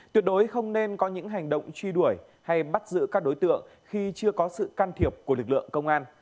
tuyệt đối không nên có những hành động truy đuổi hay bắt giữ các đối tượng khi chưa có sự can thiệp của lực lượng công an